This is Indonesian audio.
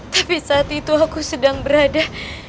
tapi saat itu aku sedang berada